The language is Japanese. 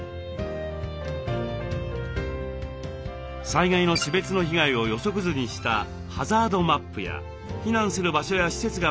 災害の種別の被害を予測図にした「ハザードマップ」や避難する場所や施設が分かる「防災地図」。